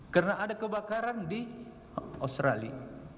karena ada kebakaran di australia